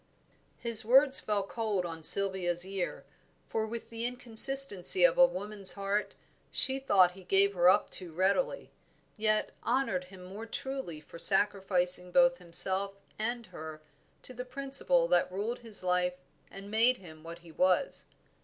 His words fell cold on Sylvia's ear, for with the inconsistency of a woman's heart she thought he gave her up too readily, yet honored him more truly for sacrificing both himself and her to the principle that ruled his life and made him what he was.